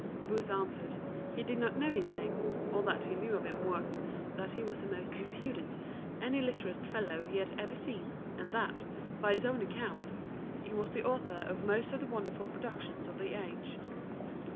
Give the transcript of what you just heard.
Booth answered, he did not know his name; all that he knew of him was, that he was the most impudent and illiterate fellow he had ever seen, and that, by his own account, he was the author of most of the wonderful productions of the age.